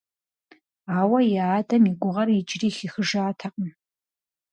Ауэ и адэм и гугъэр иджыри хихыжатэкъым.